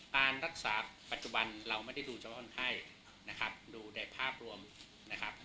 การรักษาปัจจุบันเราไม่ได้ดูเฉพาะคนไข้นะครับดูในภาพรวมนะครับ